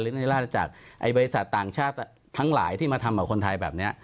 ในราชจักรไอ้บริษัทต่างชาติทั้งหลายที่มาทำกับคนไทยแบบนี้